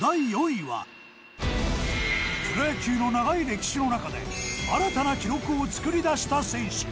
プロ野球の長い歴史の中で新たな記録を作り出した選手。